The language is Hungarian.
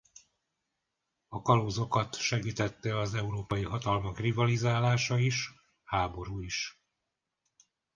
A kalózokat segítette az európai hatalmak rivalizálása is háborúi is.